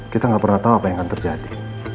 kita nggak pernah tahu apa yang akan terjadi